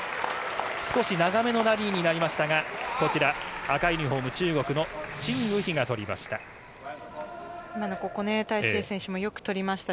少し長めのラリーになりましたが、赤いユニホーム、中国のチン・ウヒが取りました。